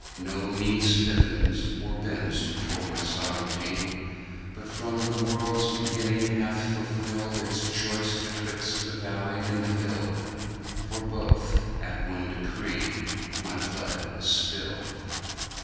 No knee Stiffens, or bends before My Sov'reignty, But from the world's beginning hath fulfilled Its choice betwixt the valleyed and the hilled. For both, at one decree, My Blood was spilled.